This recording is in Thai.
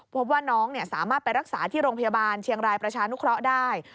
พบว่าน้องสามารถไปรักษาที่โรงพยาบาลเชียงรายประชานุเคราะห์ได้